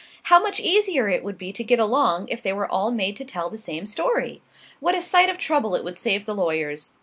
How much easier it would be to get along if they were all made to tell the same story! What a sight of trouble it would save the lawyers!